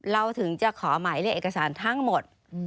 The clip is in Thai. เราถึงจะขอหมายเรียกเอกสารทั้งหมด